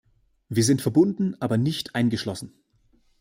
Wir sind verbunden, aber nicht eingeschlossen.